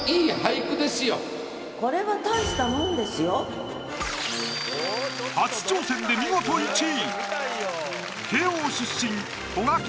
これは初挑戦で見事１位！